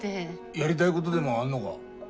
やりたいごどでもあんのが？